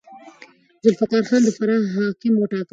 ذوالفقار خان د فراه حاکم وټاکل شو.